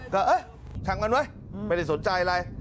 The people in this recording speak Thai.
ก็เอ๊ะช่างมันไว้ไม่ได้สนใจอะไร